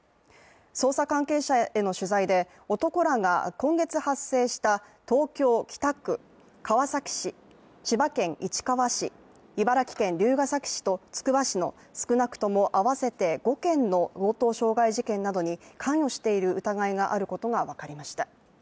捜査関係者への取材で男らが今月発生した東京・北区、川崎市、千葉県市川市、茨城県龍ヶ崎市とつくば市の少なくとも合わせて５件の強盗傷害事件などに関与している疑いがあることが分かりました。